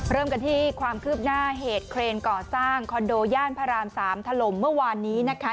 เริ่มกันที่ความคืบหน้าเหตุเครนก่อสร้างคอนโดย่านพระราม๓ถล่มเมื่อวานนี้นะคะ